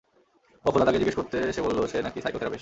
ওহ খোদা তাকে জিজ্ঞেস করতে সে বললো সে নাকি সাইকোথেরাপিস্ট।